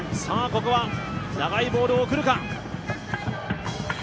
ここは長いボールを送るか。